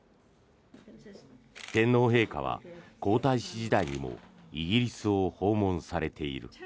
天皇陛下は皇太子時代にもイギリスを訪問されている。